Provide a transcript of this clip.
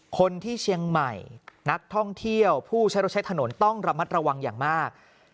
คนที่เชียงใหม่นักท่องเที่ยวผู้ใช้รถใช้ถนนต้องระมัดระวังอย่างมาก